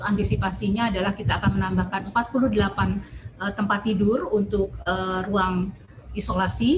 antisipasinya adalah kita akan menambahkan empat puluh delapan tempat tidur untuk ruang isolasi